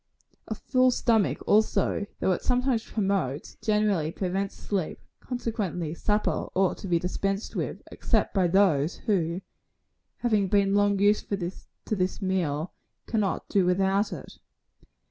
"A full stomach, also, though it sometimes promotes, generally prevents sleep; consequently, supper ought to be dispensed with, except by those who, having been long used to this meal, cannot do without it.